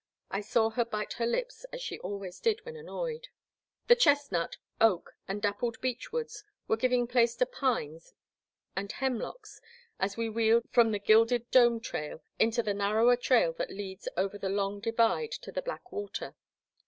I saw her bite her lips as she always did when annoyed. The chestnut, oak, and dappled beech woods were giving place to pines and hemlocks as we wheeled from the Gilded Dome trail into the nar rower trail that leads over the long divide to the Black Water.